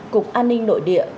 cục an ninh nội địa